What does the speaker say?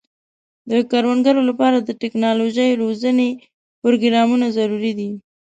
د کروندګرو لپاره د ټکنالوژۍ روزنې پروګرامونه ضروري دي.